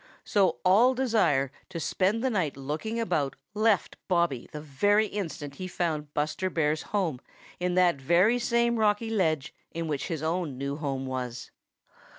So all desire to spend the night looking about left Bobby the very instant he found Buster Bear's home in that very same rocky ledge in which his own new home was.